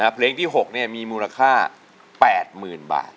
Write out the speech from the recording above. เพลงที่๖มีมูลค่า๘๐๐๐บาท